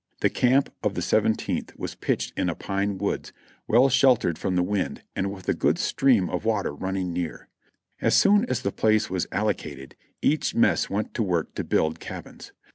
The camp of the vSeventeenth was pitched in a pine woods well sheltered from the wind and with a good stream of water running near. As soon as the place was allotted each mess went to work to build cabins.